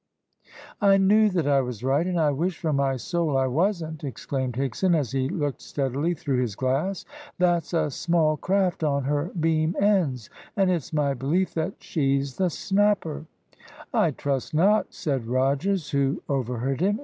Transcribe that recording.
"I knew that I was right, and I wish from my soul I wasn't," exclaimed Higson, as he looked steadily through his glass. "That's a small craft on her beam ends, and it's my belief that she's the Snapper!" "I trust not," said Rogers, who overheard him.